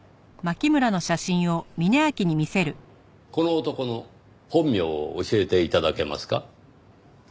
この男の本名を教えて頂けますか？